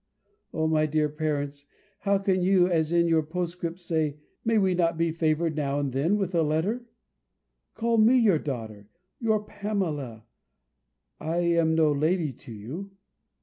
O my dear parents, how can you, as in your postscript, say, "May we not be favoured now and then with a letter?" Call me your daughter, your Pamela I am no lady to you.